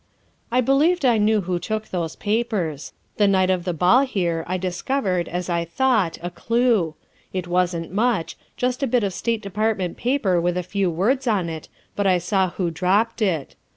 '' I believed I knew who took those papers. The night of the ball here I discovered, as I thought, a clue. It wasn 't much, just a bit of State Department paper with a few words on it, but I saw who dropped it.